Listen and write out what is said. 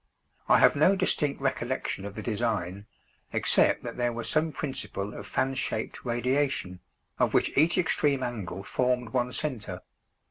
I have no distinct recollection of the design, except that there was some principle of fan shaped radiation, of which each extreme angle formed one centre.